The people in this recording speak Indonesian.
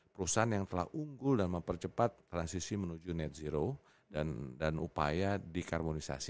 perusahaan yang telah unggul dan mempercepat transisi menuju net zero dan upaya dikarbonisasi